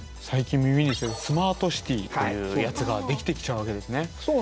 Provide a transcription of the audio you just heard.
最近耳にするスマートシティというやつができてきちゃうわけですね。